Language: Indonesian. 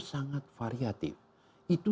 sangat variatif itu